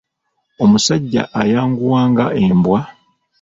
Omusajja ayanguwa nga Embwa.